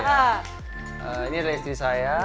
ini adalah istri saya